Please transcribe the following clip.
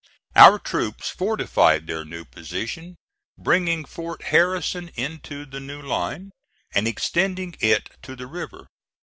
Our troops fortified their new position, bringing Fort Harrison into the new line and extending it to the river.